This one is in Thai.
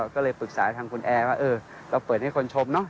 ก็เลยปรึกษาทางคุณแอร์ว่าเราเปิดให้คนชมเนอ